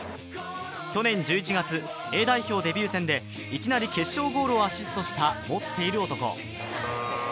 去年１１月、Ａ代表デビュー戦でいきなり決勝ゴールをアシストした持っている男。